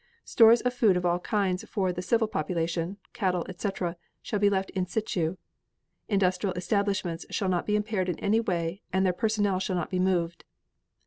Stores of food of all kinds for the civil population, cattle, etc., shall be left in situ. Industrial establishments shall not be impaired in any way and their personnel shall not be moved.